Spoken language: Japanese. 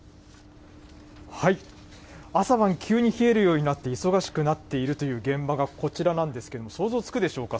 朝晩、急に冷えるようになって、忙しくなっているという現場がこちらなんですけれども、想像つくでしょうか。